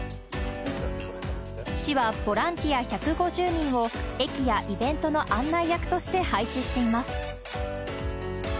市は、ボランティア１５０人を駅やイベントの案内役として配置しています。